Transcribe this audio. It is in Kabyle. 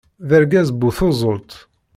D argaz bu tuẓult.